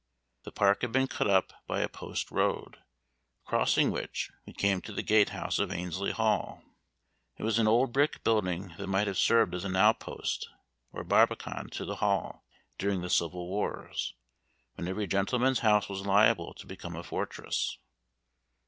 The park had been cut up by a post road, crossing which, we came to the gate house of Annesley Hall. It was an old brick building that might have served as an outpost or barbacan to the Hall during the civil wars, when every gentleman's house was liable to become a fortress.